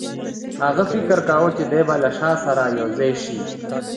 هغه فکر کاوه چې دی به له شاه سره یو ځای شي.